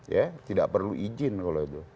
ya tidak perlu izin kalau itu